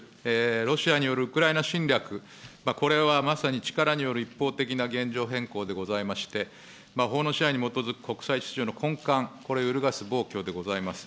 ロシアによるウクライナ侵略、これはまさに力による一方的な現状変更でございまして、法の支配に基づく国際秩序の根幹、これを揺るがす暴挙でございます。